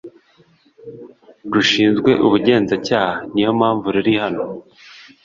rushinzwe Ubugenzacyaha niyo mpamvu ruri hano